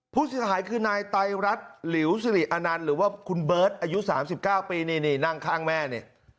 ผู้สินหายคือนายไตรัสหรือว่าคุณเบิร์ตอายุ๓๙ปีนี่นี่นั่งข้างแม่นี่